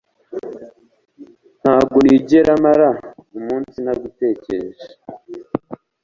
Ntabwo nigera mara umunsi ntagutekereje.